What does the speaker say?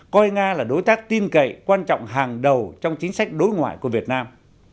coi nga là đối tác tin cậy quan trọng hàng đầu trong chính sách đối ngoại của việt nam